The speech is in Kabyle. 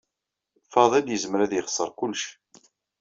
Faḍil yezmer ad yexser kullec.